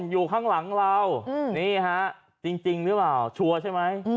อยู่ข้างหลังเรานี่ฮะจริงหรือเปล่าชัวร์ใช่ไหม